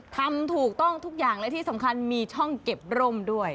ทำถูกต้องทุกอย่างและที่สำคัญมีช่องเก็บร่มด้วย